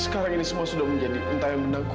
sekarang ini semua sudah menjadi entah yang mendaku